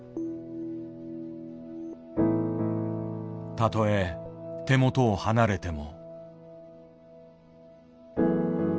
たとえ手元を離れても。